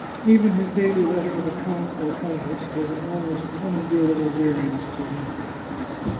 Even his daily letter to the count or countess was an almost unendurable weariness to him.